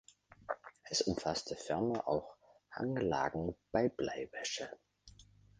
Es umfasst ferner auch Hanglagen bei Bleiwäsche.